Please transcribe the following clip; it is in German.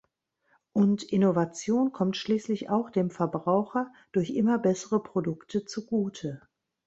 Und Innovation kommt schließlich auch dem Verbraucher, durch immer bessere Produkte zugute.